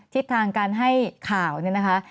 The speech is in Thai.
ทิศทางการให้ข่าวเนี่ยนะคะ